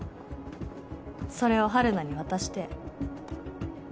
それを陽菜に渡して。